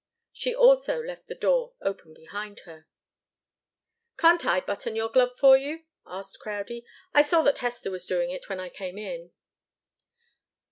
She, also, left the door open behind her. "Can't I button your glove for you?" asked Crowdie. "I saw that Hester was doing it when I came in."